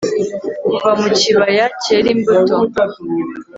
Kuva mu kibaya cyera imbuto